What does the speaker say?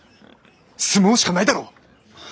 角力しかないだろ。